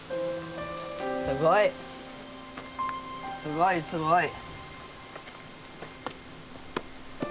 すごいすごい！